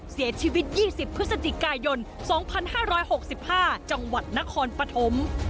เสียชีวิต๒๐พฤศจิกายน๒๕๖๕จังหวัดนครปฐม